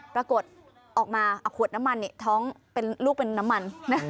ปรากฏออกมาเอาขวดน้ำมันท้องเป็นลูกเป็นน้ำมัน